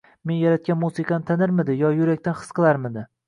Men yaratgan musiqani tanirmidi, yo yurakdan his qilarmidi?